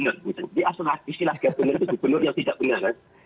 nah bener bener itu governor yang tidak benar kan